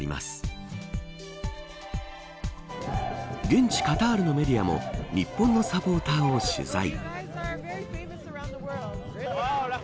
現地カタールのメディアも日本のサポーターを取材。